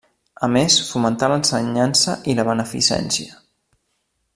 A més fomentà l'ensenyança i la beneficència.